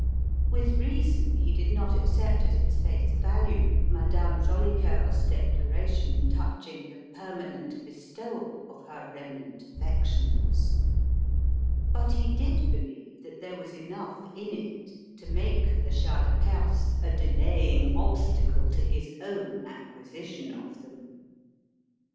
With reason, he did not accept at its face value Madame Jolicoeur's declaration touching the permanent bestowal of her remnant affections; but he did believe that there was enough in it to make the Shah de Perse a delaying obstacle to his own acquisition of them.